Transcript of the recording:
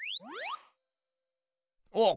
おっ！